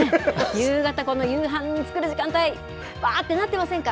夕方、この夕飯作る時間帯、ばーってなってませんか？